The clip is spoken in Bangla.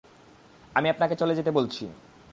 আমি আপনাকে চলে যেতে বলছি।